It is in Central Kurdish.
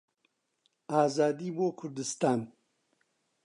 ئازادی بۆ کوردستان!